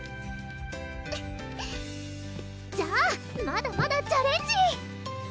じゃあまだまだチャレンジ！